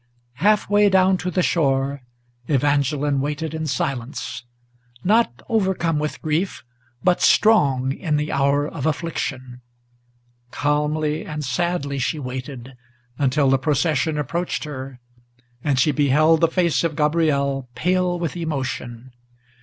Half way down to the shore Evangeline waited in silence, Not overcome with grief, but strong in the hour of affliction, Calmly and sadly she waited, until the procession approached her, And she beheld the face of Gabriel pale with emotion.